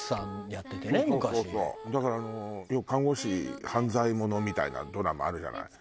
だからよく看護師犯罪モノみたいなドラマあるじゃない。